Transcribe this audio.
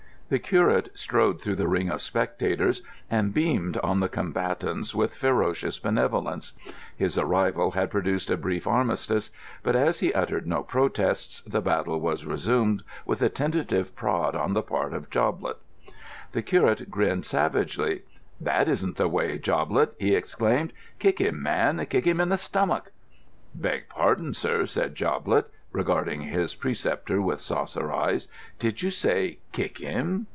The curate strode through the ring of spectators and beamed on the combatants with ferocious benevolence. His arrival had produced a brief armistice, but as he uttered no protests, the battle was resumed with a tentative prod on the part of Joblett. The curate grinned savagely. "That isn't the way, Joblett," he exclaimed. "Kick him, man. Kick him in the stomach." "Beg pardon, sir," said Joblett, regarding his preceptor with saucer eyes. "Did you say kick him?"